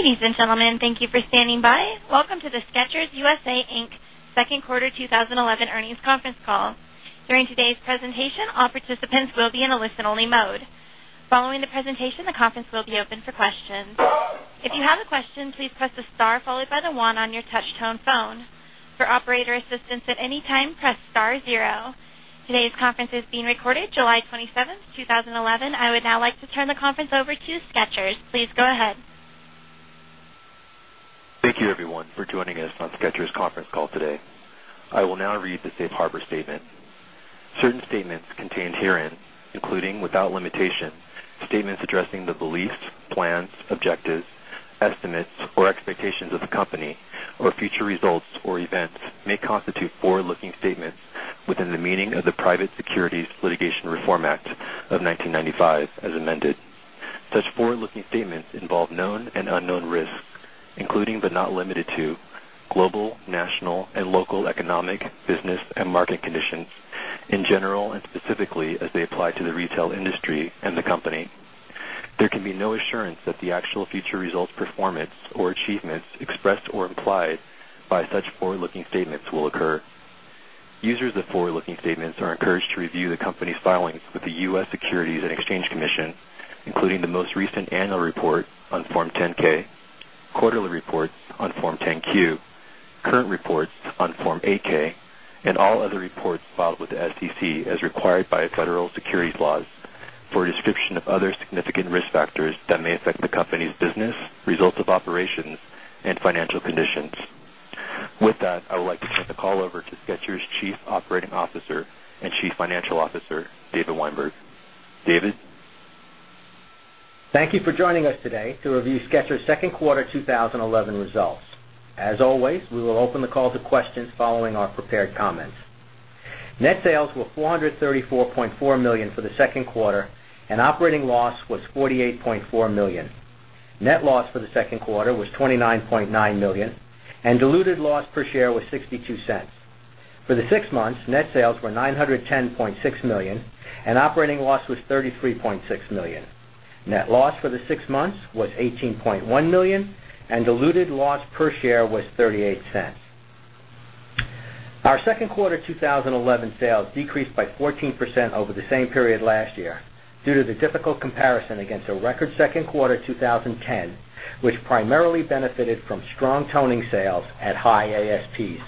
Ladies and gentlemen, thank you for standing by. Welcome to the Skechers USA, Inc Second Quarter 2011 Earnings Conference Call. During today's presentation, all participants will be in a listen-only mode. Following the presentation, the conference will be open for questions. If you have a question, please press the star followed by the one on your touch-tone phone. For operator assistance at any time, press star zero. Today's conference is being recorded, July 27, 2011. I would now like to turn the conference over to Skechers. Please go ahead. Thank you, everyone, for joining us on Skechers' Conference Call today. I will now read the safe harbor statement. Certain statements contained herein, including without limitation, statements addressing the beliefs, plans, objectives, estimates, or expectations of the company, or future results or events, may constitute forward-looking statements within the meaning of the Private Securities Litigation Reform Act of 1995 as amended. Such forward-looking statements involve known and unknown risks, including but not limited to global, national, and local economic, business, and market conditions in general and specifically as they apply to the retail industry and the company. There can be no assurance that the actual future results, performance, or achievements expressed or implied by such forward-looking statements will occur. Users of forward-looking statements are encouraged to review the company's filings with the U.S. Securities and Exchange Commission, including the most recent annual report on Form 10-K, quarterly reports on Form 10-Q, current reports on Form 8-K, and all other reports filed with the SEC as required by federal securities laws for a description of other significant risk factors that may affect the company's business, results of operations, and financial conditions. With that, I would like to turn the call over to Skechers' Chief Operating Officer and Chief Financial Officer, David Weinberg. David? Thank you for joining us today to review Skechers's Second Quarter 2011 Results. As always, we will open the call to questions following our prepared comments. Net sales were $434.4 million for the second quarter, and operating loss was $48.4 million. Net loss for the second quarter was $29.9 million, and diluted loss per share was $0.62. For the six months, net sales were $910.6 million, and operating loss was $33.6 million. Net loss for the six months was $18.1 million, and diluted loss per share was $0.38. Our second quarter 2011 sales decreased by 14% over the same period last year due to the difficult comparison against a record second quarter 2010, which primarily benefited from strong toning sales at high ASPs.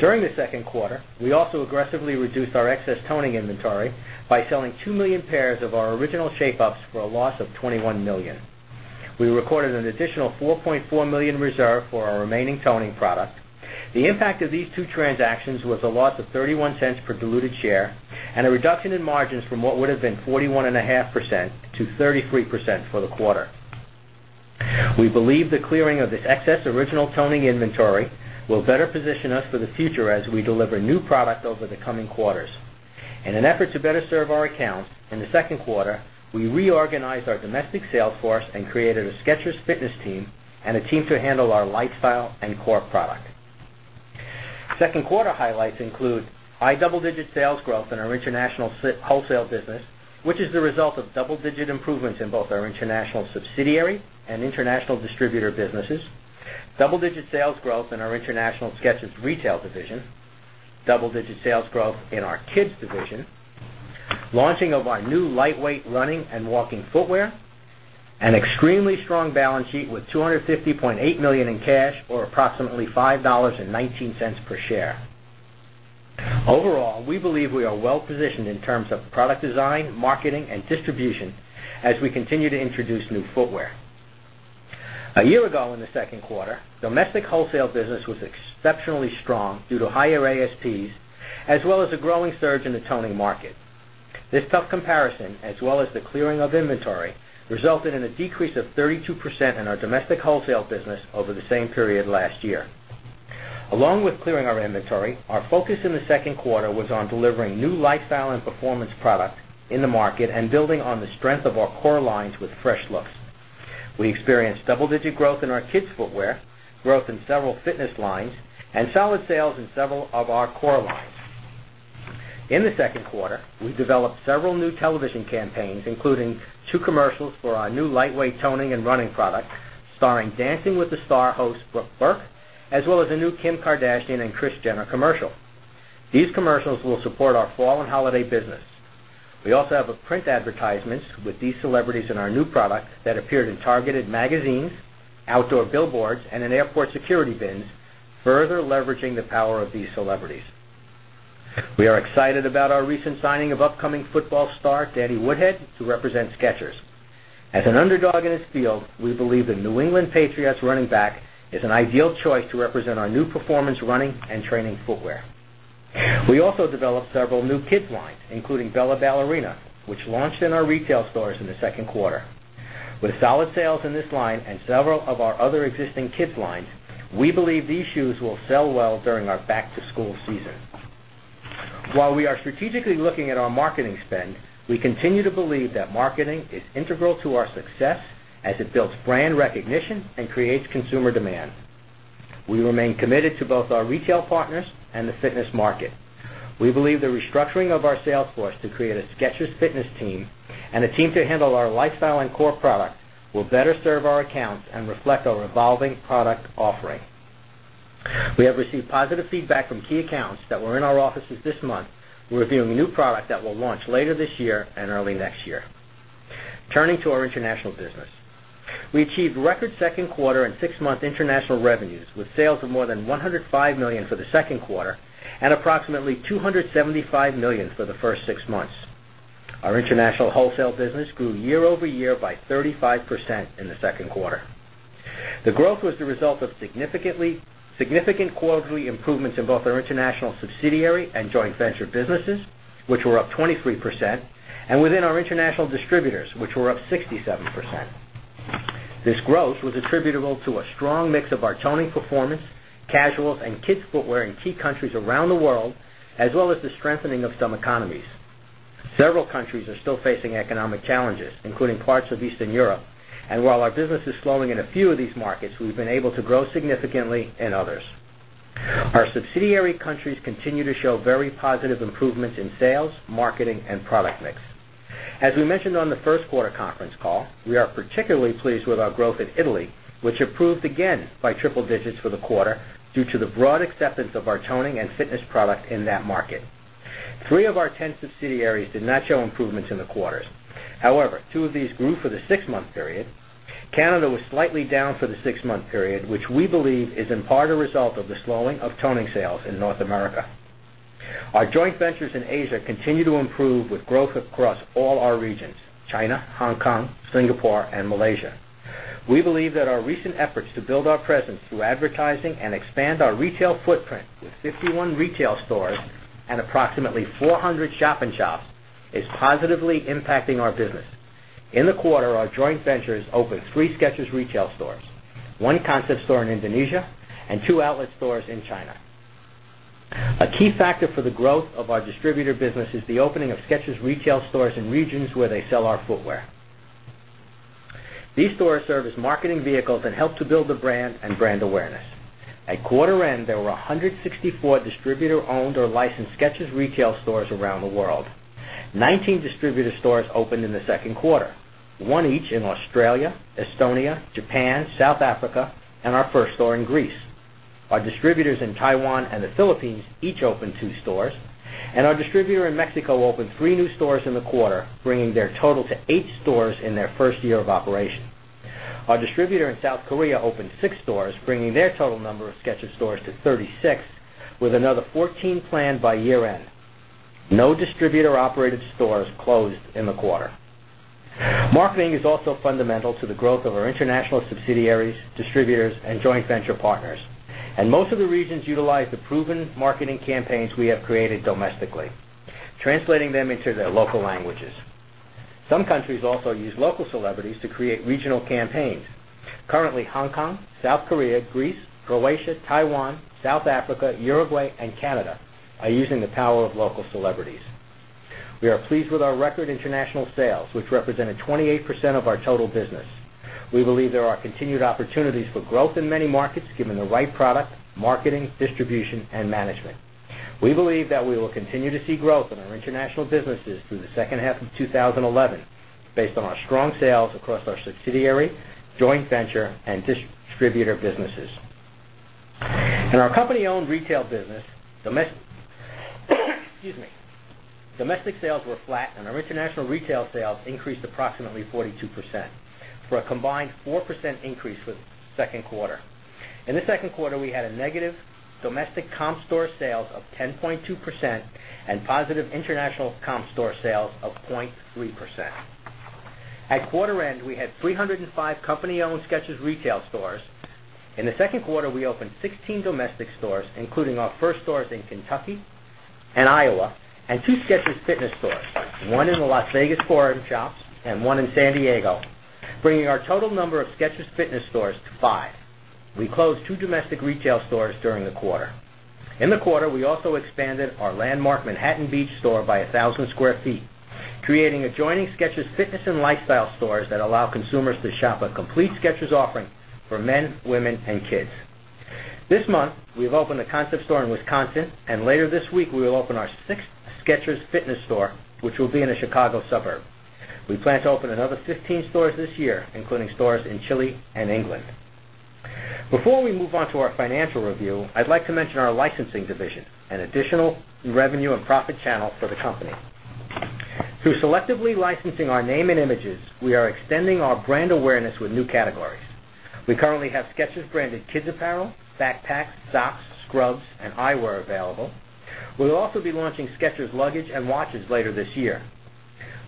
During the second quarter, we also aggressively reduced our excess toning inventory by selling 2 million pairs of our original Shape-ups for a loss of $21 million. We recorded an additional $4.4 million reserve for our remaining toning product. The impact of these two transactions was a loss of $0.31 per diluted share and a reduction in margins from what would have been 41.5% to 33% for the quarter. We believe the clearing of this excess original toning inventory will better position us for the future as we deliver new product over the coming quarters. In an effort to better serve our accounts in the second quarter, we reorganized our domestic sales force and created a Skechers fitness team and a team to handle our lifestyle and core product. Second quarter highlights include high double-digit sales growth in our international wholesale business, which is the result of double-digit improvements in both our international subsidiary and international distributor businesses, double-digit sales growth in our international Skechers retail division, double-digit sales growth in our kids' division, launching of our new lightweight running and walking footwear, and an extremely strong balance sheet with $250.8 million in cash or approximately $5.19 per share. Overall, we believe we are well-positioned in terms of product design, marketing, and distribution as we continue to introduce new footwear. A year ago in the second quarter, domestic wholesale business was exceptionally strong due to higher ASPs as well as a growing surge in the toning market. This tough comparison, as well as the clearing of inventory, resulted in a decrease of 32% in our domestic wholesale business over the same period last year. Along with clearing our inventory, our focus in the second quarter was on delivering new lifestyle and performance products in the market and building on the strength of our core lines with fresh looks. We experienced double-digit growth in our kids' footwear, growth in several fitness lines, and solid sales in several of our core lines. In the second quarter, we developed several new television campaigns, including two commercials for our new lightweight toning and running product starring Dancing With the Stars host Brooke Burke, as well as a new Kim Kardashian and Kris Jenner commercial. These commercials will support our fall and holiday business. We also have print advertisements with these celebrities in our new product that appeared in targeted magazines, outdoor billboards, and in airport security bins, further leveraging the power of these celebrities. We are excited about our recent signing of upcoming football star Danny Woodhead, who represents Skechers. As an underdog in his field, we believe the New England Patriots running back is an ideal choice to represent our new performance running and training footwear. We also developed several new kids' lines, including Bella Ballerina, which launched in our retail stores in the second quarter. With solid sales in this line and several of our other existing kids' lines, we believe these shoes will sell well during our back-to-school season. While we are strategically looking at our marketing spend, we continue to believe that marketing is integral to our success as it builds brand recognition and creates consumer demand. We remain committed to both our retail partners and the fitness market. We believe the restructuring of our sales force to create a Skechers fitness team and a team to handle our lifestyle and core product will better serve our accounts and reflect our evolving product offering. We have received positive feedback from key accounts that were in our offices this month revealing a new product that will launch later this year and early next year. Turning to our international business, we achieved record second quarter and six-month international revenues with sales of more than $105 million for the second quarter and approximately $275 million for the first six months. Our international wholesale business grew year-over-year by 35% in the second quarter. The growth was the result of significant quarterly improvements in both our international subsidiary and joint venture businesses, which were up 23%, and within our international distributors, which were up 67%. This growth was attributable to a strong mix of our toning performance, casuals, and kids' footwear in key countries around the world, as well as the strengthening of some economies. Several countries are still facing economic challenges, including parts of Eastern Europe, and while our business is slowing in a few of these markets, we've been able to grow significantly in others. Our subsidiary countries continue to show very positive improvements in sales, marketing, and product mix. As we mentioned on the first quarter conference call, we are particularly pleased with our growth in Italy, which improved again by triple digits for the quarter due to the broad acceptance of our toning and fitness product in that market. Three of our 10 subsidiaries did not show improvements in the quarter. However, two of these grew for the six-month period. Canada was slightly down for the six-month period, which we believe is in part a result of the slowing of toning sales in North America. Our joint ventures in Asia continue to improve with growth across all our regions: China, Hong Kong, Singapore, and Malaysia. We believe that our recent efforts to build our presence through advertising and expand our retail footprint with 51 retail stores and approximately 400 shopping shops are positively impacting our business. In the quarter, our joint ventures opened three Skechers retail stores: one concept store in Indonesia and two outlet stores in China. A key factor for the growth of our distributor business is the opening of Skechers retail stores in regions where they sell our footwear. These stores serve as marketing vehicles and help to build the brand and brand awareness. At quarter-end, there were 164 distributor-owned or licensed Skechers retail stores around the world. 19 distributor stores opened in the second quarter, one each in Australia, Estonia, Japan, South Africa, and our first store in Greece. Our distributors in Taiwan and the Philippines each opened two stores, and our distributor in Mexico opened three new stores in the quarter, bringing their total to eight stores in their first year of operation. Our distributor in South Korea opened six stores, bringing their total number of Skechers stores to 36, with another 14 planned by year-end. No distributor-operated stores closed in the quarter. Marketing is also fundamental to the growth of our international subsidiaries, distributors, and joint venture partners, and most of the regions utilize the proven marketing campaigns we have created domestically, translating them into their local languages. Some countries also use local celebrities to create regional campaigns. Currently, Hong Kong, South Korea, Greece, Croatia, Taiwan, South Africa, Uruguay, and Canada are using the power of local celebrities. We are pleased with our record international sales, which represented 28% of our total business. We believe there are continued opportunities for growth in many markets given the right product, marketing, distribution, and management. We believe that we will continue to see growth in our international businesses through the second half of 2011 based on our strong sales across our subsidiary, joint venture, and distributor businesses. In our company-owned retail business, domestic sales were flat, and our international retail sales increased approximately 42%, for a combined 4% increase for the second quarter. In the second quarter, we had a negative domestic comp store sales of 10.2% and positive international comp store sales of 0.3%. At quarter-end, we had 305 company-owned Skechers retail stores. In the second quarter, we opened 16 domestic stores, including our first stores in Kentucky and Iowa, and two Skechers fitness stores: one in the Las Vegas Forum Shops and one in San Diego, bringing our total number of Skechers fitness stores to five. We closed two domestic retail stores during the quarter. In the quarter, we also expanded our landmark Manhattan Beach store by 1,000 sq ft, creating adjoining Skechers fitness and lifestyle stores that allow consumers to shop a complete Skechers offering for men, women, and kids. This month, we've opened a concept store in Wisconsin, and later this week, we will open our sixth Skechers fitness store, which will be in a Chicago suburb. We plan to open another 15 stores this year, including stores in Chile and England. Before we move on to our financial review, I'd like to mention our licensing division, an additional revenue and profit channel for the company. Through selectively licensing our name and images, we are extending our brand awareness with new categories. We currently have Skechers-branded kids' apparel, backpacks, socks, scrubs, and eyewear available. We'll also be launching Skechers luggage and watches later this year.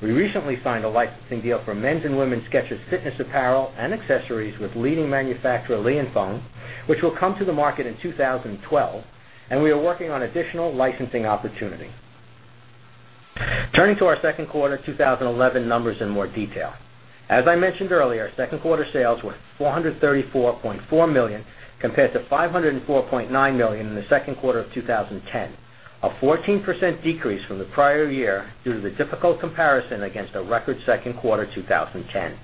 We recently signed a licensing deal for men's and women's Skechers fitness apparel and accessories with leading manufacturer Lianfeng, which will come to the market in 2012, and we are working on additional licensing opportunity. Turning to our second quarter 2011 numbers in more detail. As I mentioned earlier, second quarter sales were $434.4 million compared to $504.9 million in the second quarter of 2010, a 14% decrease from the prior year due to the difficult comparison against a record second quarter 2010.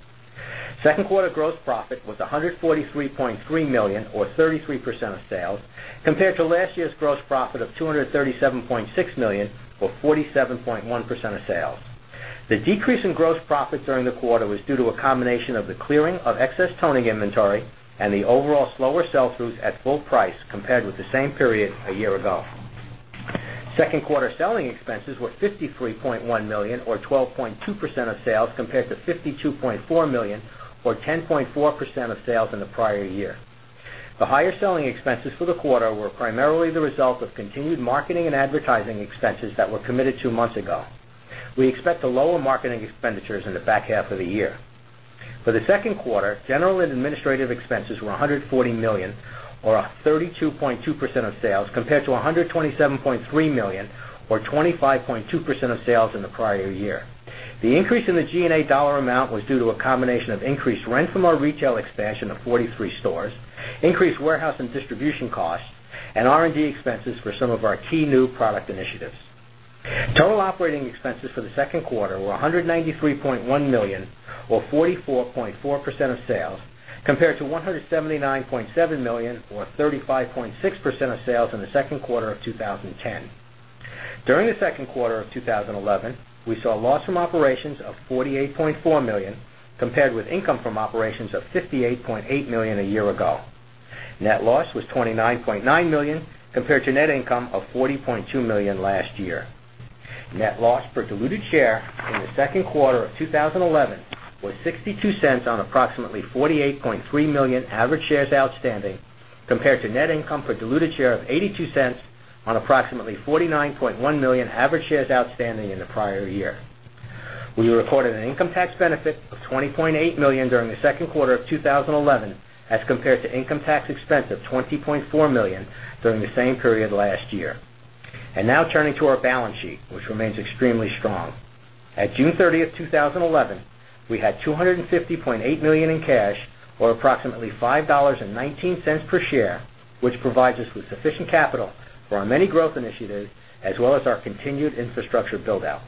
Second quarter gross profit was $143.3 million, or 33% of sales, compared to last year's gross profit of $237.6 million, or 47.1% of sales. The decrease in gross profit during the quarter was due to a combination of the clearing of excess toning inventory and the overall slower sell-throughs at full price compared with the same period a year ago. Second quarter selling expenses were $53.1 million, or 12.2% of sales, compared to $52.4 million, or 10.4% of sales in the prior year. The higher selling expenses for the quarter were primarily the result of continued marketing and advertising expenses that were committed two months ago. We expect to lower marketing expenditures in the back half of the year. For the second quarter, general and administrative expenses were $140 million, or 32.2% of sales, compared to $127.3 million, or 25.2% of sales in the prior year. The increase in the G&A dollar amount was due to a combination of increased rent from our retail expansion of 43 stores, increased warehouse and distribution costs, and R&D expenses for some of our key new product initiatives. Total operating expenses for the second quarter were $193.1 million, or 44.4% of sales, compared to $179.7 million, or 35.6% of sales in the second quarter of 2010. During the second quarter of 2011, we saw loss from operations of $48.4 million, compared with income from operations of $58.8 million a year ago. Net loss was $29.9 million, compared to net income of $40.2 million last year. Net loss per diluted share in the second quarter of 2011 was $0.62 on approximately 48.3 million average shares outstanding, compared to net income per diluted share of $0.82 on approximately 49.1 million average shares outstanding in the prior year. We recorded an income tax benefit of $20.8 million during the second quarter of 2011 as compared to income tax expense of $20.4 million during the same period last year. Now turning to our balance sheet, which remains extremely strong. At June 30, 2011, we had $250.8 million in cash, or approximately $5.19 per share, which provides us with sufficient capital for our many growth initiatives as well as our continued infrastructure build-out.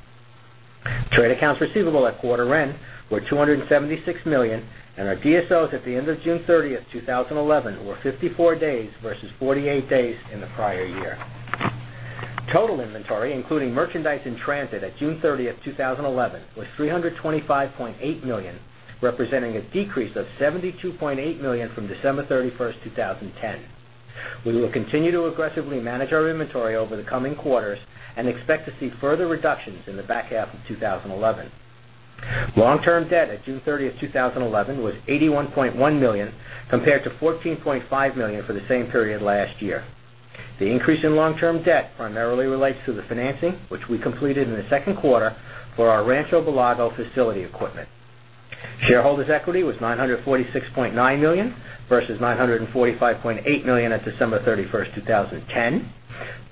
Trade accounts receivable at quarter-end were $276 million, and our DSOs at the end of June 30, 2011, were 54 days versus 48 days in the prior year. Total inventory, including merchandise in transit at June 30, 2011, was $325.8 million, representing a decrease of $72.8 million from December 31, 2010. We will continue to aggressively manage our inventory over the coming quarters and expect to see further reductions in the back half of 2011. Long-term debt at June 30, 2011, was $81.1 million, compared to $14.5 million for the same period last year. The increase in long-term debt primarily relates to the financing, which we completed in the second quarter for our Rancho Bellagio facility equipment. Shareholders' equity was $946.9 million versus $945.8 million at December 31, 2010.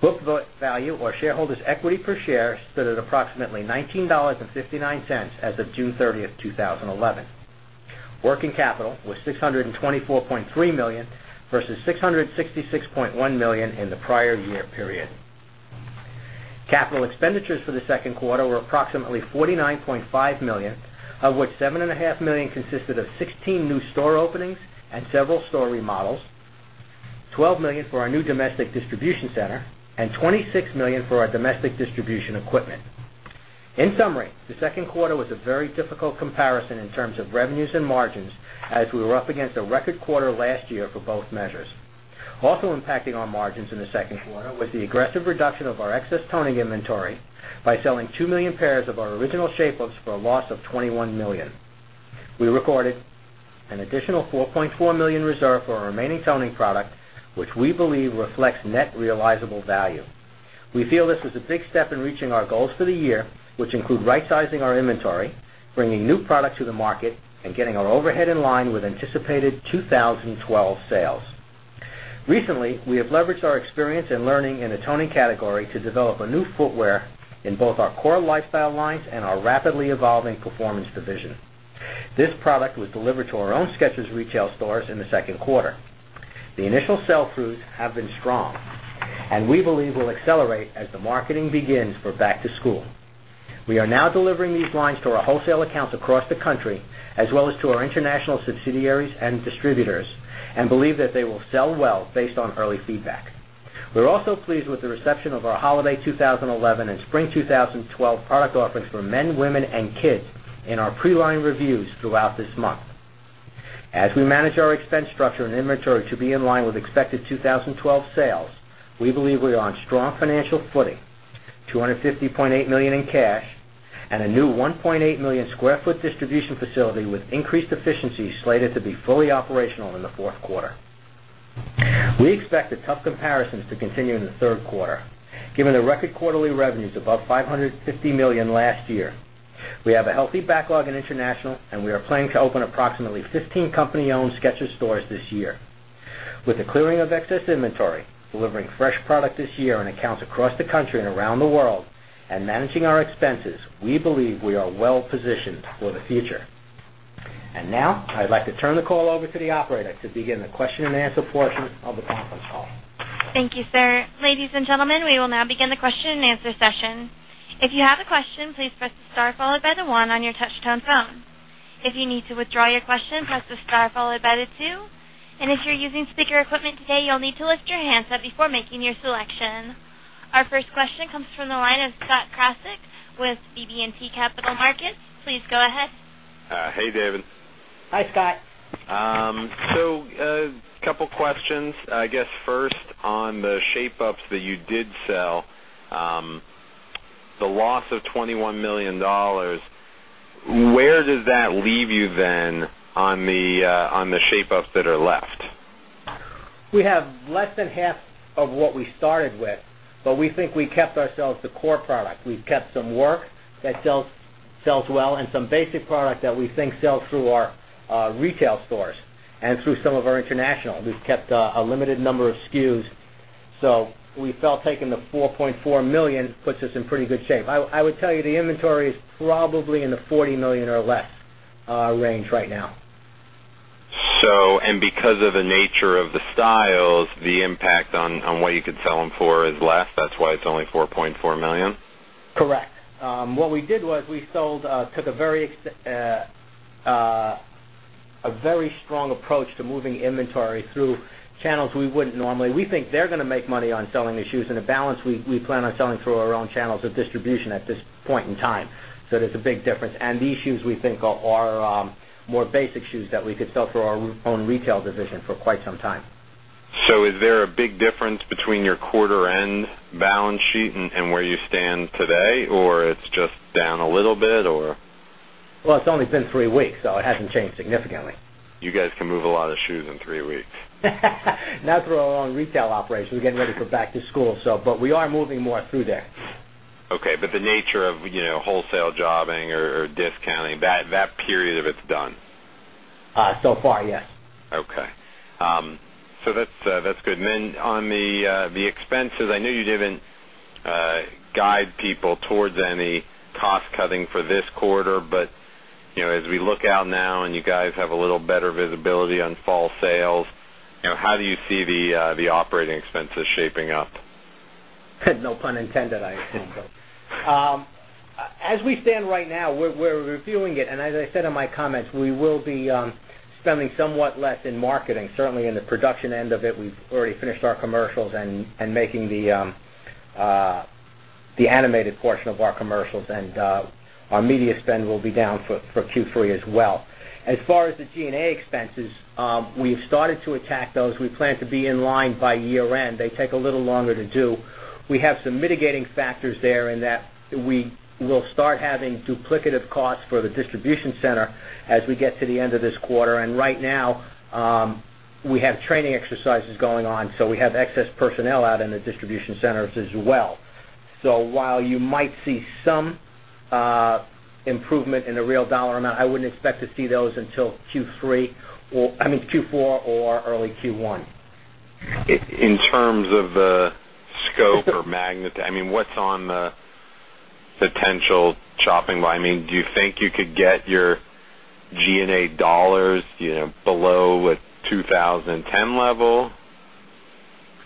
Book value, or shareholders' equity per share, stood at approximately $19.59 as of June 30, 2011. Working capital was $624.3 million versus $666.1 million in the prior year period. Capital expenditures for the second quarter were approximately $49.5 million, of which $7.5 million consisted of 16 new store openings and several store remodels, $12 million for our new domestic distribution center, and $26 million for our domestic distribution equipment. In summary, the second quarter was a very difficult comparison in terms of revenues and margins as we were up against a record quarter last year for both measures. Also impacting our margins in the second quarter was the aggressive reduction of our excess toning inventory by selling 2 million pairs of our original Shape-ups for a loss of $21 million. We recorded an additional $4.4 million reserve for our remaining toning product, which we believe reflects net realizable value. We feel this was a big step in reaching our goals for the year, which include right-sizing our inventory, bringing new products to the market, and getting our overhead in line with anticipated 2012 sales. Recently, we have leveraged our experience and learning in the toning category to develop a new footwear in both our core lifestyle lines and our rapidly evolving performance division. This product was delivered to our own Skechers retail stores in the second quarter. The initial sell-throughs have been strong, and we believe we'll accelerate as the marketing begins for back-to-school. We are now delivering these lines to our wholesale accounts across the country, as well as to our international subsidiaries and distributors, and believe that they will sell well based on early feedback. We're also pleased with the reception of our holiday 2011 and spring 2012 product offerings for men, women, and kids in our pre-line reviews throughout this month. As we manage our expense structure and inventory to be in line with expected 2012 sales, we believe we are on strong financial footing, $250.8 million in cash, and a new 1.8 million sq ft distribution facility with increased efficiencies slated to be fully operational in the fourth quarter. We expect the tough comparisons to continue in the third quarter, given the record quarterly revenues above $550 million last year. We have a healthy backlog in international, and we are planning to open approximately 15 company-owned Skechers stores this year. With the clearing of excess inventory, delivering fresh product this year in accounts across the country and around the world, and managing our expenses, we believe we are well-positioned for the future. I would like to turn the call over to the operator to begin the question-and-answer portions of the conference call. Thank you, sir. Ladies and gentlemen, we will now begin the question-and-answer session. If you have a question, please press the star followed by the one on your touch-tone phone. If you need to withdraw your question, press the star followed by the two. If you're using speaker equipment today, you'll need to lift your hands up before making your selection. Our first question comes from the line of Scott Krasik with BB&T Capital Markets. Please go ahead. Hey, David. Hi, Scott. A couple of questions. I guess first on the Shape-ups that you did sell, the loss of $21 million, where does that leave you then on the Shape-ups that are left? We have less than half of what we started with, but we think we kept ourselves the core product. We've kept some work that sells well and some basic product that we think sells through our retail stores and through some of our international. We've kept a limited number of SKUs. We felt taking the $4.4 million puts us in pretty good shape. I would tell you the inventory is probably in the $40 million or less range right now. Because of the nature of the styles, the impact on what you could sell them for is less, that's why it's only $4.4 million? Correct. What we did was we took a very strong approach to moving inventory through channels we wouldn't normally. We think they're going to make money on selling the shoes, and the balance we plan on selling through our own channels of distribution at this point in time. There is a big difference. These shoes we think are more basic shoes that we could sell through our own retail division for quite some time. Is there a big difference between your quarter-end balance sheet and where you stand today, or it's just down a little bit? It has only been three weeks, so it hasn't changed significantly. You guys can move a lot of shoes in three weeks. Not through our own retail operations. We're getting ready for back-to-school, and we are moving more through there. Okay. The nature of wholesale jobbing or discounting, that period of it's done? So far, yes. That's good. On the expenses, I know you didn't guide people towards any cost-cutting for this quarter, but as we look out now and you guys have a little better visibility on fall sales, how do you see the operating expenses shaping up? No pun intended, I assume. As we stand right now, we're reviewing it, and as I said in my comments, we will be spending somewhat less in marketing. Certainly, in the production end of it, we've already finished our commercials and making the animated portion of our commercials, and our media spend will be down for Q3 as well. As far as the G&A expenses, we've started to attack those. We plan to be in line by year-end. They take a little longer to do. We have some mitigating factors there in that we will start having duplicative costs for the distribution center as we get to the end of this quarter. Right now, we have training exercises going on, so we have excess personnel out in the distribution centers as well. While you might see some improvement in the real dollar amount, I wouldn't expect to see those until Q3, I mean, Q4 or early Q1. In terms of the scope or magnitude, what's on the potential chopping line? Do you think you could get your G&A dollars below a 2010 level?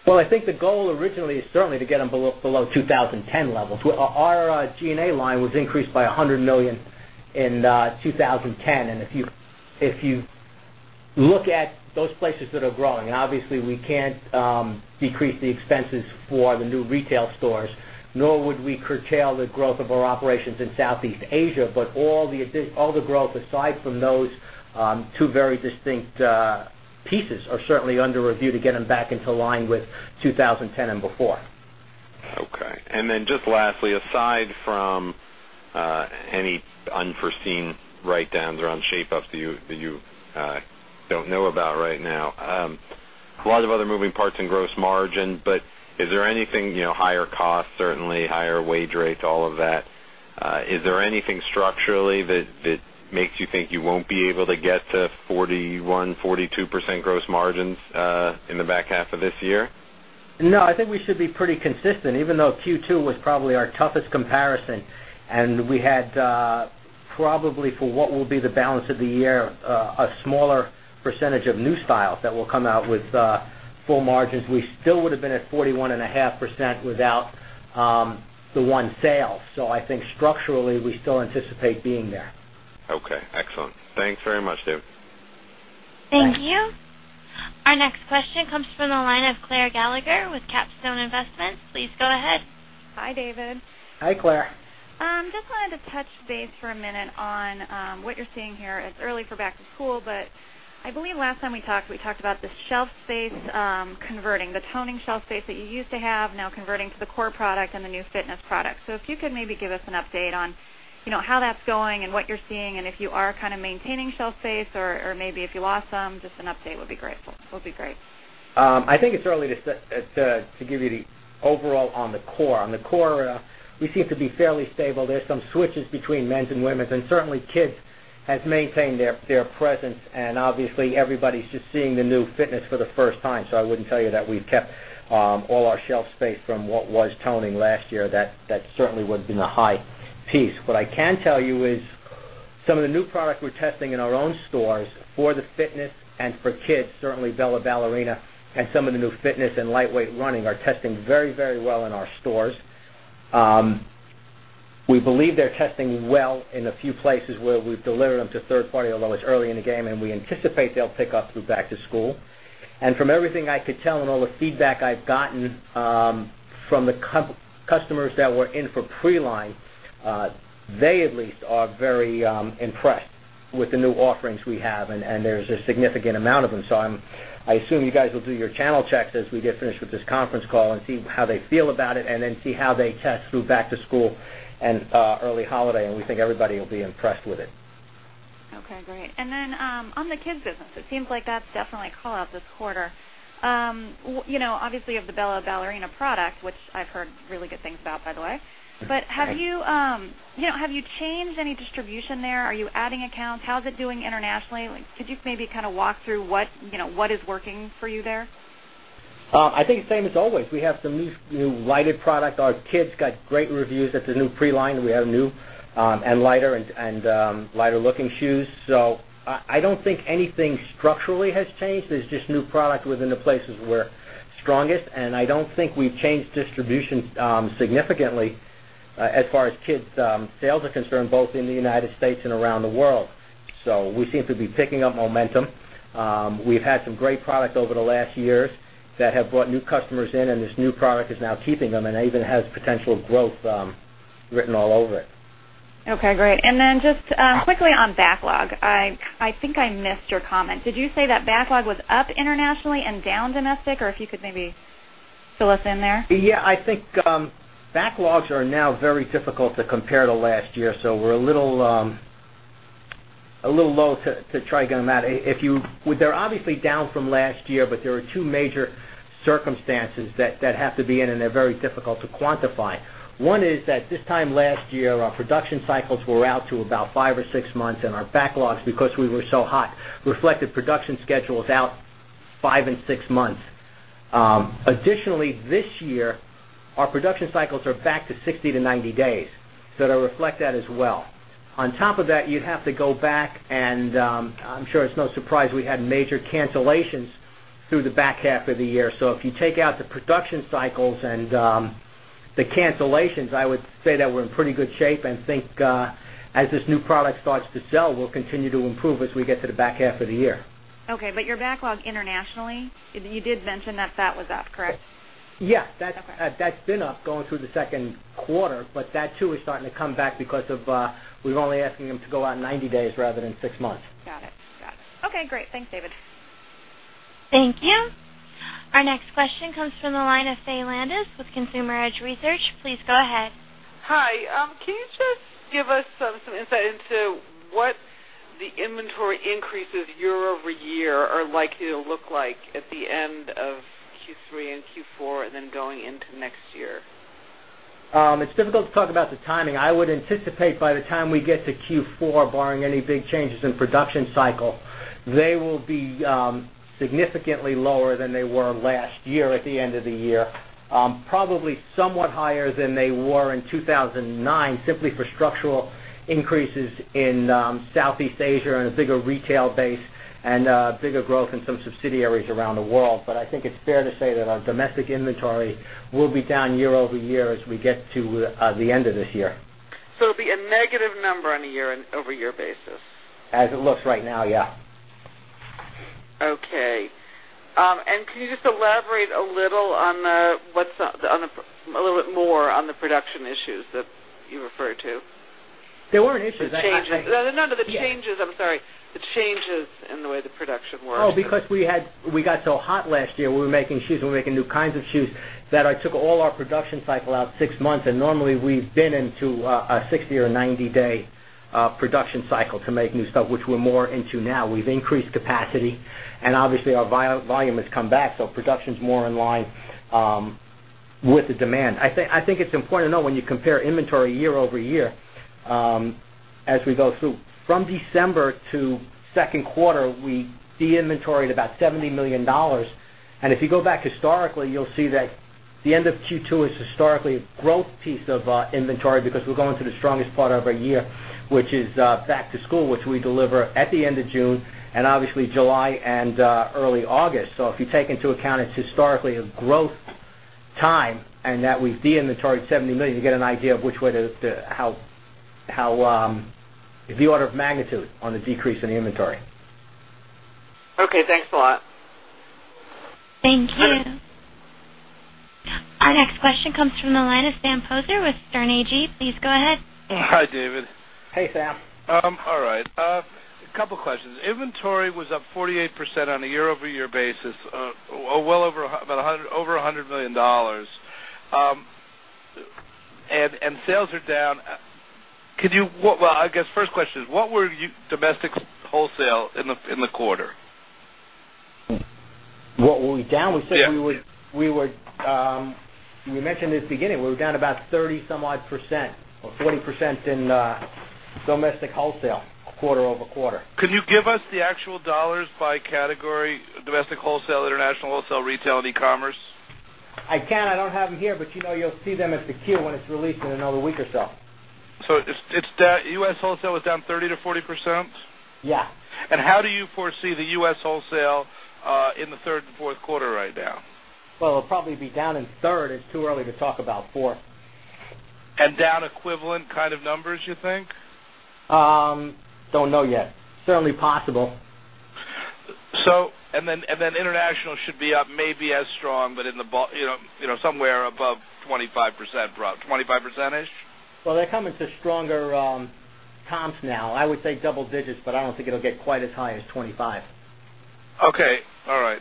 I think the goal originally is certainly to get them below 2010 levels. Our G&A line was increased by $100 million in 2010. If you look at those places that are growing, obviously, we can't decrease the expenses for the new retail stores, nor would we curtail the growth of our operations in Southeast Asia, but all the growth aside from those two very distinct pieces are certainly under review to get them back into line with 2010 and before. Okay. Lastly, aside from any unforeseen write-downs around Shape-ups that you don't know about right now, a lot of other moving parts in gross margin, but is there anything, you know, higher costs, certainly higher wage rates, all of that, is there anything structurally that makes you think you won't be able to get to 41%, 42% gross margins in the back half of this year? No, I think we should be pretty consistent, even though Q2 was probably our toughest comparison. We had probably, for what will be the balance of the year, a smaller percentage of new style that will come out with full margins. We still would have been at 41.5% without the one sale. I think structurally, we still anticipate being there. Okay. Excellent. Thanks very much, David. Thank you. Our next question comes from the line of Claire Gallacher with Capstone Investments. Please go ahead. Hi, David. Hi, Claire. Just wanted to touch base for a minute on what you're seeing here. It's early for back-to-school, but I believe last time we talked, we talked about the shelf space converting, the toning shelf space that you used to have, now converting to the core product and the new fitness product. If you could maybe give us an update on how that's going and what you're seeing and if you are kind of maintaining shelf space or maybe if you lost some, just an update would be great. I think it's early to give you the overall on the core. On the core, we see it to be fairly stable. There's some switches between men's and women's, and certainly, kids have maintained their presence. Obviously, everybody's just seeing the new fitness for the first time. I wouldn't tell you that we've kept all our shelf space from what was toning last year. That certainly would have been a high piece. What I can tell you is some of the new product we're testing in our own stores for the fitness and for kids, certainly Bella Ballerina and some of the new fitness and lightweight running are testing very, very well in our stores. We believe they're testing well in a few places where we've delivered them to third-party, although it's early in the game, and we anticipate they'll pick up through back-to-school. From everything I could tell and all the feedback I've gotten from the customers that were in for pre-line, they at least are very impressed with the new offerings we have, and there's a significant amount of them. I assume you guys will do your channel checks as we get finished with this conference call and see how they feel about it and then see how they test through back-to-school and early holiday. We think everybody will be impressed with it. Okay, great. On the kids' business, it seems like that's definitely a callout this quarter. You know, obviously, you have the Bella Ballerina product, which I've heard really good things about, by the way. Have you changed any distribution there? Are you adding accounts? How's it doing internationally? Could you maybe kind of walk through what is working for you there? I think the same as always. We have some new lighted product. Our kids got great reviews at the new pre-line that we have, new and lighter-looking shoes. I don't think anything structurally has changed. There's just new product within the place we're strongest, and I don't think we've changed distribution significantly as far as kids' sales are concerned, both in the United States and around the world. We seem to be picking up momentum. We've had some great products over the last years that have brought new customers in, and this new product is now keeping them, and it even has potential growth written all over it. Okay, great. Just quickly on backlog, I think I missed your comment. Did you say that backlog was up internationally and down domestic, or if you could maybe fill us in there? Yeah, I think backlogs are now very difficult to compare to last year. We're a little low to try to get on that. They're obviously down from last year, but there are two major circumstances that have to be in, and they're very difficult to quantify. One is that this time last year, our production cycles were out to about five or six months, and our backlogs, because we were so hot, reflected production schedules out five and six months. Additionally, this year, our production cycles are back to 60-90 days to reflect that as well. On top of that, you'd have to go back, and I'm sure it's no surprise we had major cancellations through the back half of the year. If you take out the production cycles and the cancellations, I would say that we're in pretty good shape and think as this new product starts to sell, we'll continue to improve as we get to the back half of the year. Okay, your backlog internationally, you did mention that that was up, correct? Yeah, that's been up going through the second quarter, but that too is starting to come back because we're only asking them to go out 90 days rather than six months. Got it. Got it. Okay, great. Thanks, David. Thank you. Our next question comes from the line of Faye Landes with Consumer Edge Research. Please go ahead. Hi, can you just give us some insight into what the inventory increases year-over-year are likely to look like at the end of Q3 and Q4, and then going into next year? It's difficult to talk about the timing. I would anticipate by the time we get to Q4, barring any big changes in production cycle, they will be significantly lower than they were last year at the end of the year. Probably somewhat higher than they were in 2009, simply for structural increases in Southeast Asia and a bigger retail base and bigger growth in some subsidiaries around the world. I think it's fair to say that our domestic inventory will be down year-over-year as we get to the end of this year. It'll be a negative number on a year-over-year basis? As it looks right now, yeah. Okay. Can you just elaborate a little bit more on the production issues that you referred to? There weren't issues. No, the changes in the way the production works. Because we got so hot last year, we were making shoes, and we were making new kinds of shoes that I took all our production cycle out six months. Normally, we've been into a 60 or 90-day production cycle to make new stuff, which we're more into now. We've increased capacity, and obviously, our volume has come back. Production's more in line with the demand. I think it's important to know when you compare inventory year-over-year, as we go through. From December to second quarter, we deinventoried about $70 million. If you go back historically, you'll see that the end of Q2 is historically a growth piece of inventory because we're going through the strongest part of our year, which is back-to-school, which we deliver at the end of June and obviously July and early August. If you take into account it's historically a growth time and that we've deinventoried $70 million, you get an idea of which way to how the order of magnitude on the decrease in the inventory. Okay, thanks a lot. Thank you. Our next question comes from the line of Sam Poser with Sterne Agee. Please go ahead. Hi, David. Hey, Sam. All right. A couple of questions. Inventory was up 48% on a year-over-year basis, well over about $100 million, and sales are down. Could you, I guess first question is, what were your domestic wholesale in the quarter? What were we down? We said we were, we mentioned this at the beginning. We were down about 30% or 40% in domestic wholesale, quarter-over-quarter. Can you give us the actual dollars by category, domestic wholesale, international wholesale, retail, and e-commerce? I can. I don't have them here, but you'll see them at the queue when it's released in another week or so. Is that U.S. wholesale was down 30%-40%? Yeah. How do you foresee the U.S. wholesale in the third and fourth quarter right now? It'll probably be down in third. It's too early to talk about fourth. Down equivalent kind of numbers, you think? Don't know yet. Certainly possible. International should be up maybe as strong, but in the, you know, somewhere above 25%, 25%-ish? They're coming to stronger comps now. I would say double digits, but I don't think it'll get quite as high as 25%. Okay. All right.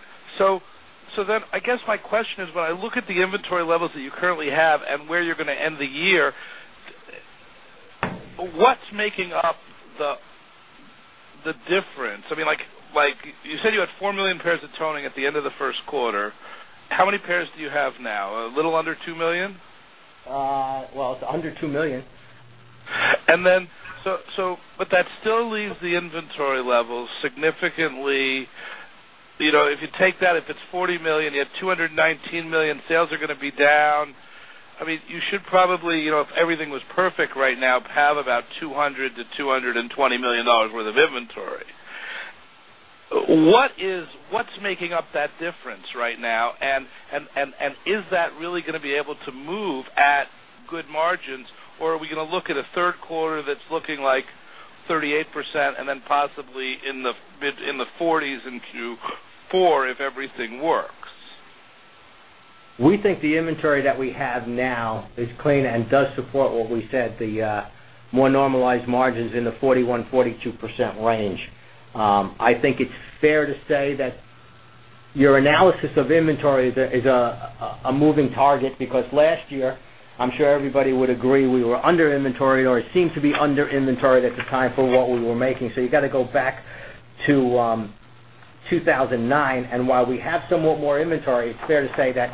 I guess my question is, when I look at the inventory levels that you currently have and where you're going to end the year, what's making up the difference? I mean, like you said you had 4 million pairs of toning at the end of the first quarter. How many pairs do you have now? A little under 2 million? Under $2 million. That still leaves the inventory levels significantly. If you take that, if it's $40 million, you have $219 million, sales are going to be down. You should probably, if everything was perfect right now, have about $200 million-$220 million worth of inventory. What's making up that difference right now? Is that really going to be able to move at good margins, or are we going to look at a third quarter that's looking like 38% and then possibly in the mid-40s in Q4 if everything works? We think the inventory that we have now is clean and does support what we said, the more normalized margins in the 41%, 42% range. I think it's fair to say that your analysis of inventory is a moving target because last year, I'm sure everybody would agree, we were under inventory or it seemed to be under inventory at the time for what we were making. You have to go back to 2009. While we have somewhat more inventory, it's fair to say that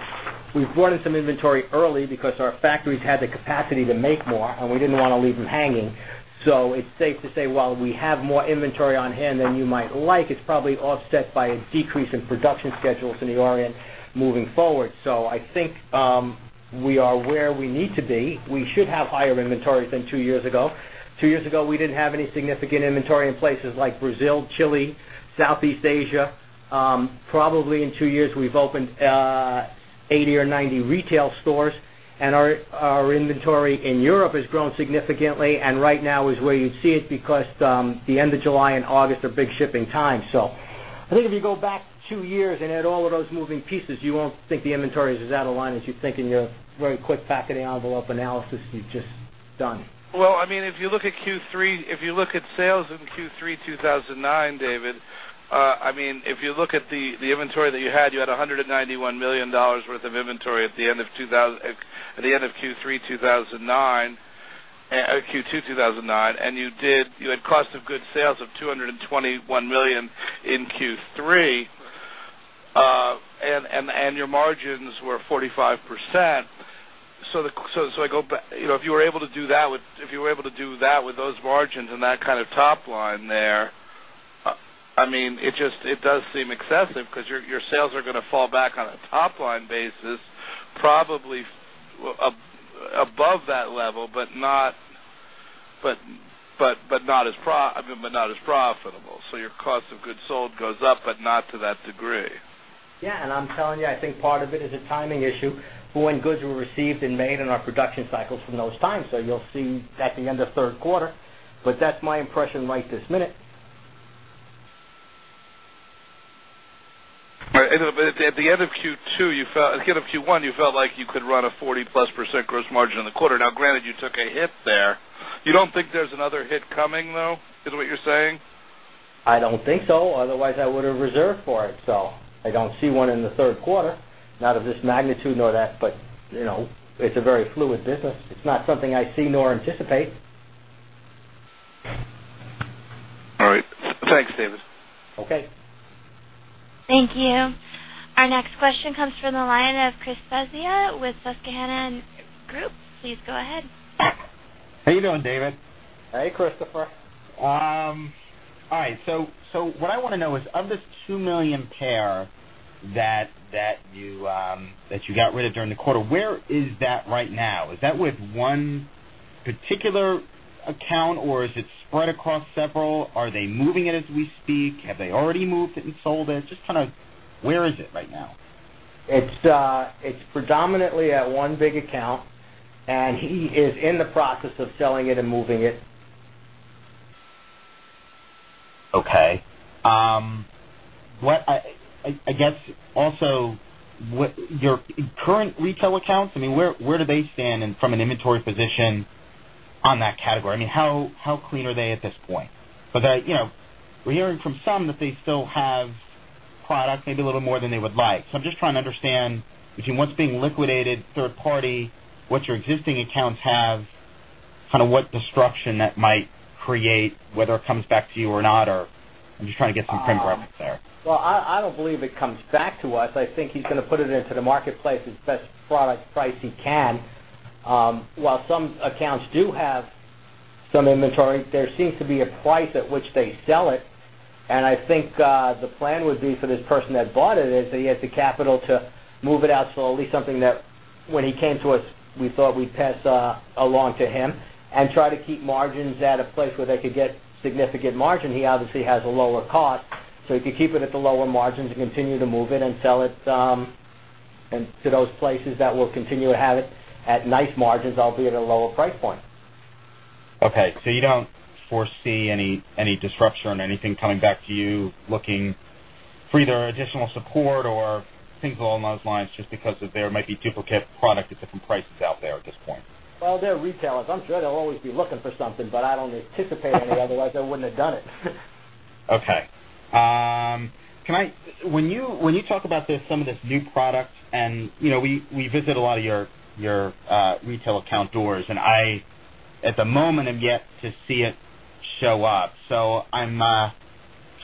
we've brought in some inventory early because our factories had the capacity to make more, and we didn't want to leave them hanging. It's safe to say while we have more inventory on hand than you might like, it's probably offset by a decrease in production schedules in the ORIENT moving forward. I think we are where we need to be. We should have higher inventories than two years ago. Two years ago, we didn't have any significant inventory in places like Brazil, Chile, Southeast Asia. Probably in two years, we've opened 80 or 90 retail stores, and our inventory in Europe has grown significantly. Right now is where you'd see it because the end of July and August are big shipping times. If you go back two years and add all of those moving pieces, you won't think the inventory is as out of line as you think in your very quick pack of the envelope analysis you've just done. If you look at Q3, if you look at sales in Q3 2009, David, if you look at the inventory that you had, you had $191 million worth of inventory at the end of Q3 2009 or Q2 2009, and you had cost of goods sold of $221 million in Q3, and your margins were 45%. I go, you know, if you were able to do that with those margins and that kind of top line there, it just does seem excessive because your sales are going to fall back on a top-line basis, probably above that level, but not as profitable. Your cost of goods sold goes up, but not to that degree. Yeah, I think part of it is a timing issue when goods were received and made in our production cycles from those times. You will see that at the end of the third quarter, but that's my impression right this minute. Right. At the end of Q2, you felt at the end of Q1, you felt like you could run a 40+% gross margin in the quarter. Now, granted, you took a hit there. You don't think there's another hit coming, though, is what you're saying? I don't think so. Otherwise, I would have reserved for it. I don't see one in the third quarter, not of this magnitude nor that, but you know it's a very fluid business. It's not something I see nor anticipate. All right. Thanks, David. Okay. Thank you. Our next question comes from the line of Chris Svezia with Susquehanna Group. Please go ahead. How are you doing, David? Hey, Christopher. All right. What I want to know is, of this 2 million pair that you got rid of during the quarter, where is that right now? Is that with one particular account, or is it spread across several? Are they moving it as we speak? Have they already moved it and sold it? Just kind of where is it right now? It's predominantly at one big account, and he is in the process of selling it and moving it. Okay. I guess also with your current retail accounts, where do they stand from an inventory position on that category? How clean are they at this point? We're hearing from some that they still have product, maybe a little more than they would like. I'm just trying to understand between what's being liquidated third-party, what your existing accounts have, what destruction that might create, whether it comes back to you or not. I'm just trying to get some training reference there. I don't believe it comes back to us. I think he's going to put it into the marketplace as best product price he can. While some accounts do have some inventory, there seems to be a price at which they sell it. I think the plan would be for this person that bought it is that he has the capital to move it out to at least something that when he came to us, we thought we'd pass along to him and try to keep margins at a place where they could get significant margin. He obviously has a lower cost, so he could keep it at the lower margins and continue to move it and sell it to those places that will continue to have it at nice margins, albeit at a lower price point. Okay. You don't foresee any disruption or anything coming back to you looking for either additional support or things along those lines just because there might be duplicate product at different prices out there at this point? They are retailers. I'm sure they'll always be looking for something, but I don't anticipate anything. Otherwise, I wouldn't have done it. Okay. When you talk about some of this new product, and you know we visit a lot of your retail account doors, I am yet to see it show up. I'm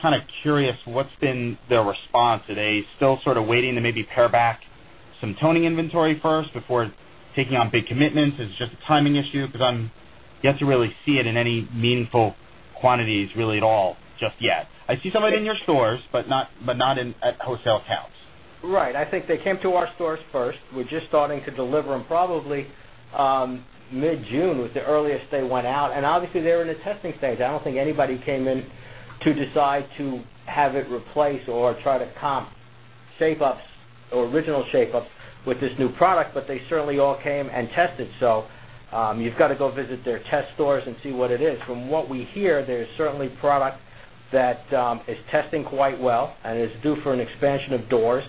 kind of curious what's been the response. Are they still sort of waiting to maybe pare back some toning inventory first before taking on big commitments? Is it just a timing issue? I'm yet to really see it in any meaningful quantities at all just yet. I see some of it in your stores, but not at wholesale accounts. Right. I think they came to our stores first. We're just starting to deliver them, probably mid-June was the earliest they went out. Obviously, they're in a testing stage. I don't think anybody came in to decide to have it replaced or try to comp Shape-ups or original Shape-ups with this new product, but they certainly all came and tested. You have to go visit their test stores and see what it is. From what we hear, there's certainly product that is testing quite well and is due for an expansion of doors.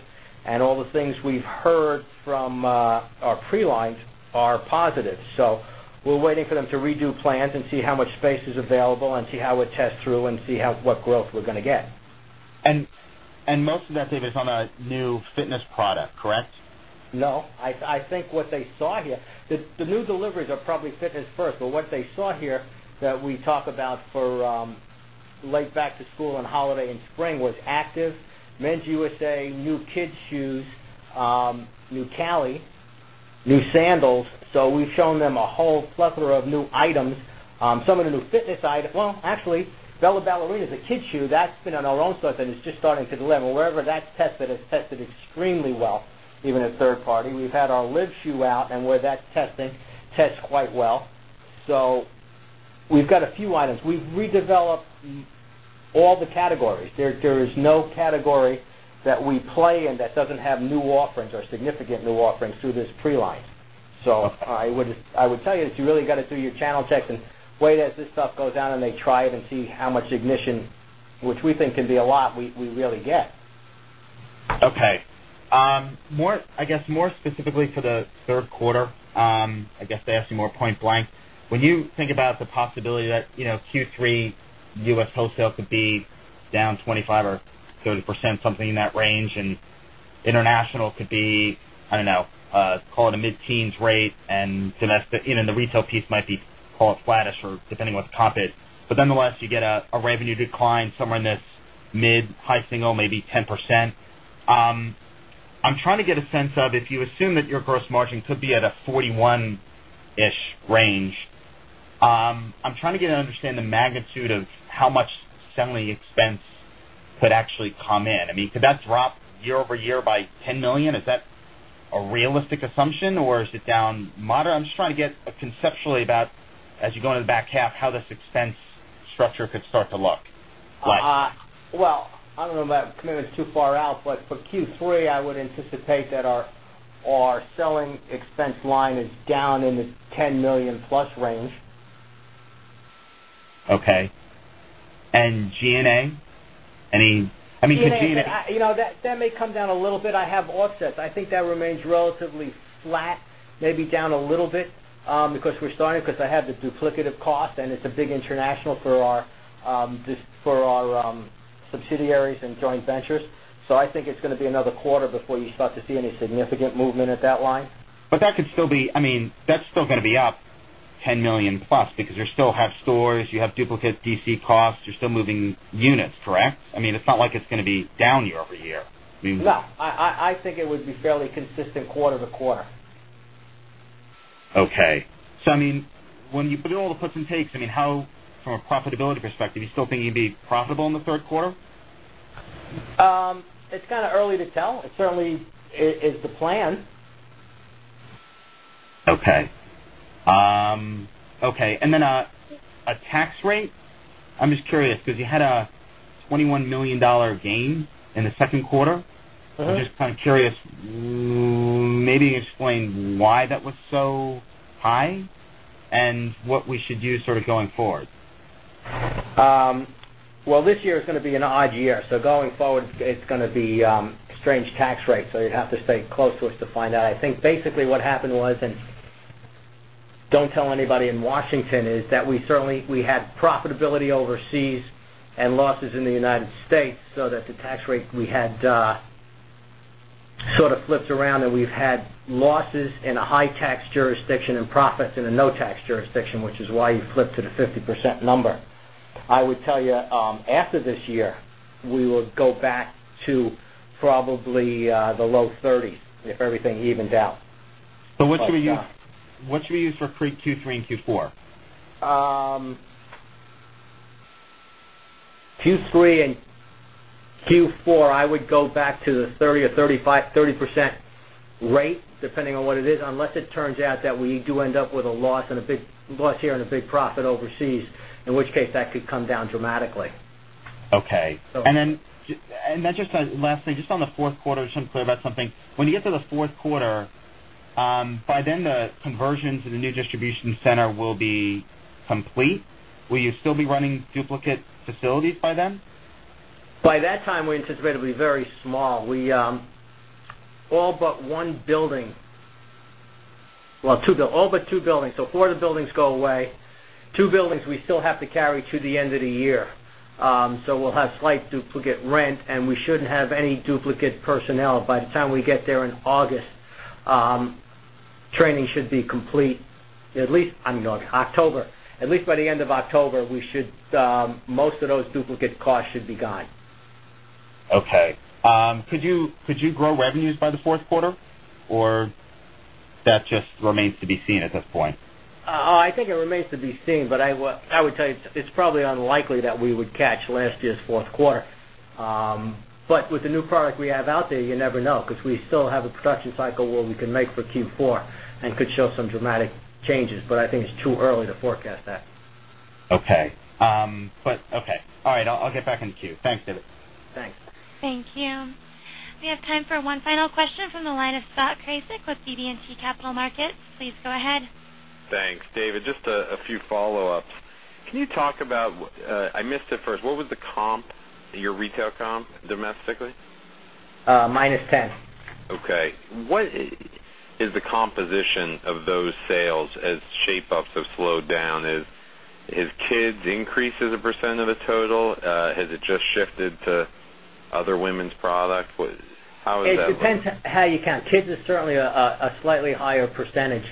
All the things we've heard from our pre-lines are positive. We're waiting for them to redo plans and see how much space is available and see how it tests through and see what growth we're going to get. Most of that, David, is on a new fitness product, correct? No. I think what they saw here, the new deliveries are probably fitness first, but what they saw here that we talk about for late back-to-school and holiday in spring was Active, Men's U.S.A., new kids' shoes, new Cali, new sandals. We've shown them a whole plethora of new items. Some of the new fitness items, actually, Bella Ballerina is a kids' shoe that's been on our own stores and is just starting to deliver. Wherever that's tested, it's tested extremely well, even at third-party. We've had our Liv shoe out and where that's testing, tests quite well. We've got a few items. We've redeveloped all the categories. There is no category that we play in that doesn't have new offerings or significant new offerings through this pre-line. I would tell you that you really got to do your channel checks and wait as this stuff goes out and they try it and see how much ignition, which we think can be a lot, we really get. Okay. More specifically to the third quarter, to ask you more point-blank, when you think about the possibility that Q3 U.S. wholesale could be down 25% or 30%, something in that range, and international could be, I don't know, call it a mid-teens rate and domestic, you know, in the retail piece might be, call it flattish or depending on what the comp is. Nonetheless, you get a revenue decline somewhere in this mid-high single, maybe 10%. I'm trying to get a sense of if you assume that your gross margin could be at a 41%-ish range, I'm trying to get an understanding of the magnitude of how much selling expense could actually come in. I mean, could that drop year-over-year by $10 million? Is that a realistic assumption, or is it down moderate? I'm just trying to get conceptually about, as you go into the back half, how this expense structure could start to look. I don't know about commitments too far out, but for Q3, I would anticipate that our selling expense line is down in this $10 million+ range. Okay. G&A? That may come down a little bit. I have offsets. I think that remains relatively flat, maybe down a little bit because we're starting, because I have the duplicative cost and it's a big international for our subsidiaries and joint ventures. I think it's going to be another quarter before you start to see any significant movement at that line. That could still be, I mean, that's still going to be up $10 million+ because you still have stores, you have duplicate distribution center costs, you're still moving units, correct? I mean, it's not like it's going to be down year-over-year. No, I think it would be fairly consistent quarter-to-quarter. Okay, when you put in all the puts and takes, from a profitability perspective, you still think you'd be profitable in the third quarter? It's kind of early to tell. It certainly is the plan. Okay. Okay. On the tax rate, I'm just curious because you had a $21 million gain in the second quarter. I'm just kind of curious, maybe explain why that was so high and what we should do going forward. This year is going to be an odd year. Going forward, it's going to be a strange tax rate. You'd have to stay close to us to find out. I think basically what happened was, and don't tell anybody in Washington, is that we certainly had profitability overseas and losses in the United States. The tax rate we had sort of flipped around and we've had losses in a high-tax jurisdiction and profits in a no-tax jurisdiction, which is why you flipped to the 50% number. I would tell you after this year, we will go back to probably the low 30% if everything evens out. What should we use for pre-Q3 and Q4? Q3 and Q4, I would go back to the 30% or 35%, 30% rate depending on what it is, unless it turns out that we do end up with a loss and a big loss here and a big profit overseas, in which case that could come down dramatically. Okay. Just on the fourth quarter, I just want to clarify something. When you get to the fourth quarter, by then the conversions in the new distribution center will be complete. Will you still be running duplicate facilities by then? By that time, we anticipate it'll be very small. All but two buildings. Four of the buildings go away. Two buildings we still have to carry to the end of the year. We'll have slight duplicate rent, and we shouldn't have any duplicate personnel by the time we get there in August. Training should be complete, at least by the end of October. Most of those duplicate costs should be gone. Okay, could you grow revenues by the fourth quarter, or that just remains to be seen at this point? I think it remains to be seen, but I would tell you it's probably unlikely that we would catch last year's fourth quarter. With the new product we have out there, you never know because we still have a production cycle where we can make for Q4 and could show some dramatic changes. I think it's too early to forecast that. All right. I'll get back in the queue. Thanks, David. Thanks. Thank you. We have time for one final question from the line of Scott Krasik with BB&T Capital Markets. Please go ahead. Thanks. David, just a few follow-ups. Can you talk about, I missed it first, what was the comp, your retail comp, domestically? -10. Okay. What is the composition of those sales as Shape-ups have slowed down? Has Kids increased as a percentage of the total? Has it just shifted to other women's product? How is that going? It depends on how you count. Kids is certainly a slightly higher percentage.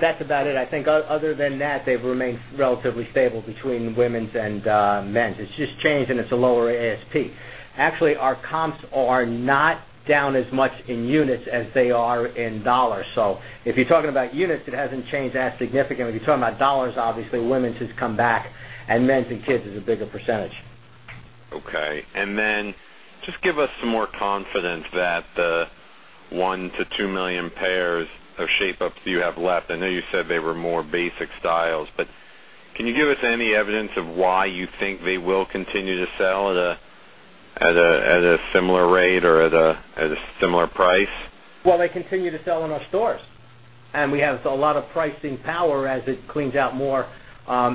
That's about it. I think other than that, they've remained relatively stable between women's and men's. It's just changed, and it's a lower ASP. Actually, our comps are not down as much in units as they are in dollars. If you're talking about units, it hasn't changed as significantly. If you're talking about dollars, obviously, women's has come back and men's and kids is a bigger percenatge. Okay. Could you give us some more confidence that the $1 million-$2 million pairs of Shape-ups you have left, I know you said they were more basic styles, but can you give us any evidence of why you think they will continue to sell at a similar rate or at a similar price? They continue to sell in our stores, and we have a lot of pricing power as it cleans out more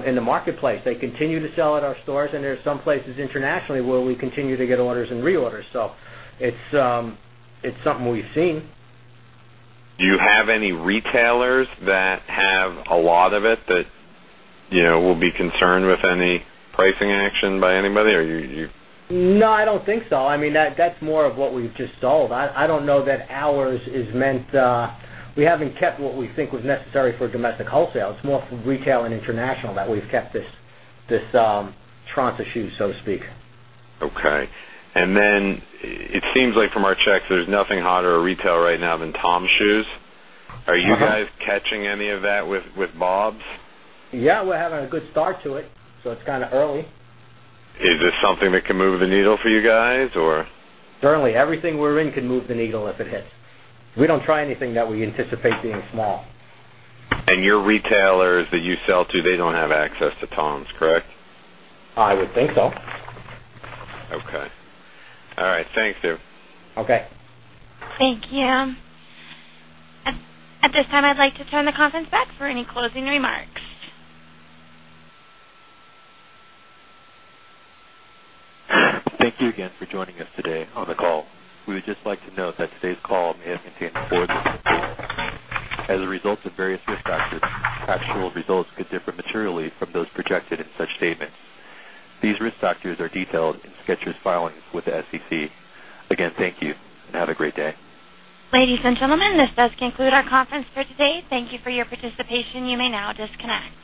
in the marketplace. They continue to sell at our stores, and there's some places internationally where we continue to get orders and reorders. It's something we've seen. Do you have any retailers that have a lot of it that you know will be concerned with any pricing action by anybody, or you? No, I don't think so. I mean, that's more of what we've just sold. I don't know that ours is meant, we haven't kept what we think was necessary for domestic wholesale. It's more for retail and international that we've kept this tranche of shoes, so to speak. Okay. It seems like from our checks, there's nothing hotter at retail right now than TOMS shoes. Are you guys catching any of that with BOBS? Yeah, we're having a good start to it. It's kind of early. Is this something that can move the needle for you guys? Certainly. Everything we're in can move the needle if it hits. We don't try anything that we anticipate being small. Your retailers that you sell to, they don't have access to TOMS, correct? I would think so. Okay. All right. Thanks, David. Okay. Thank you. At this time, I'd like to turn the conference back for any closing remarks. Thank you again for joining us today on the call. We would just like to note that today's call may have contained forward-looking statements. As a result of various risk factors, actual results could differ materially from those projected in such statements. These risk factors are detailed in Skechers filings with the SEC. Again, thank you and have a great day. Ladies and gentlemen, this does conclude our conference for today. Thank you for your participation. You may now disconnect.